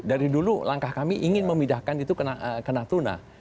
dari dulu langkah kami ingin memindahkan itu ke natuna